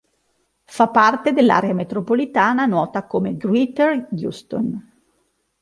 Fa parte dell'area metropolitana nota come Greater Houston.